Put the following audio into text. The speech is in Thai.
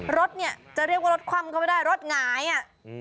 รถเนี่ยจะเรียกว่ารถคว่ำเข้าไปได้รถหงายอ่ะ